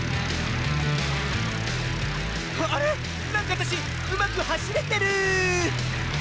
あれ⁉なんかわたしうまくはしれてる！